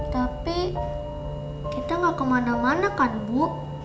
tapi kita gak kemana mana kan bu